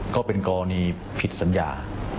ก็เป็นกรณีผิดสัญญา